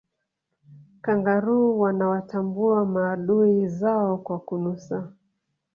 kangaroo wanawatambua maadui zao kwa kunusa